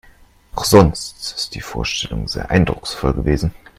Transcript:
Auch sonst ist die Vorstellung sehr eindrucksvoll gewesen.